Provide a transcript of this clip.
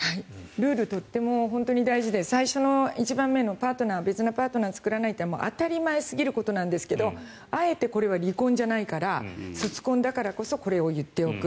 ルール、とても大事で最初の一番目の別のパートナーを作らないというのは当たり前すぎることなんですがあえてこれは離婚じゃないから卒婚だからこそこれを言っておく。